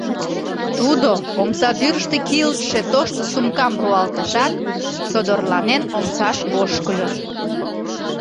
Тудо, омсадӱрыштӧ кийылтше тошто сумкам руалтышат, содорланен, омсаш ошкыльо.